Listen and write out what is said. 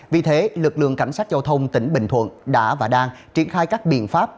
vì thế lực lượng cảnh sát giao thông tỉnh bình thuận đã và đang triển khai các biện pháp